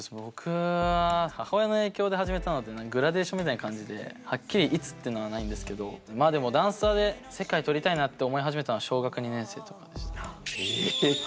僕は母親の影響で始めたのでグラデーションみたいな感じではっきりいつっていうのはないんですけどまあでもダンスで世界とりたいなって思い始めたのは小学２年生とかでした。